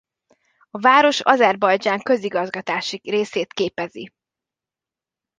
A város Azerbajdzsán közigazgatási részét képezi.